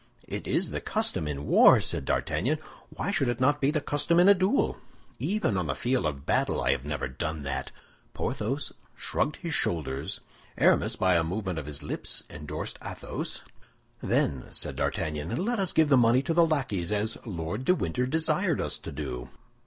"It is the custom in war," said D'Artagnan, "why should it not be the custom in a duel?" "Even on the field of battle, I have never done that." Porthos shrugged his shoulders; Aramis by a movement of his lips endorsed Athos. "Then," said D'Artagnan, "let us give the money to the lackeys, as Lord de Winter desired us to do."